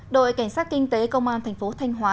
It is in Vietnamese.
đội cảnh sát kinh tế công an tp thanh hóa